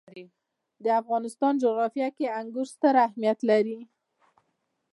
د افغانستان جغرافیه کې انګور ستر اهمیت لري.